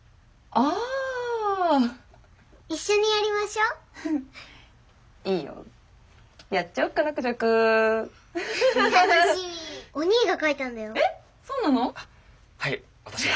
あっはい私が。